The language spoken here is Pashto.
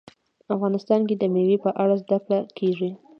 افغانستان کې د مېوې په اړه زده کړه کېږي.